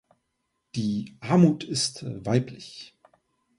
Die Armut ist weiblich.